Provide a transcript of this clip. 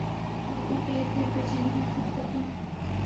لوگوں کے ارد گرد بے چینی محسوس کرتا ہوں